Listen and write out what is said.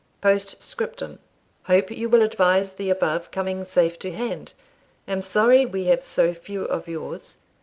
"Postscriptum. Hope you will advise the above coming safe to hand. Am sorry we have so few of yours.